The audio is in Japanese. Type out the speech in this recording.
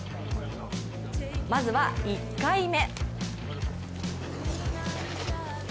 まずは１回目。